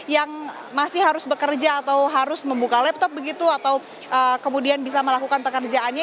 yang masih harus bekerja atau harus membuka laptop begitu atau kemudian bisa melakukan pekerjaannya